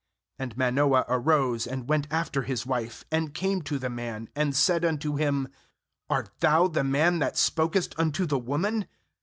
uAnd Manoah arose, and went after his wife, and came to the man, and said unto him: 'Art thou the man that spokest unto the woman?'